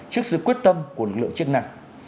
trước sự quyết tâm của lực lượng chức năng